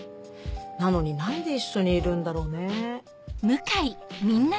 なのに何で一緒にいるんだろうね。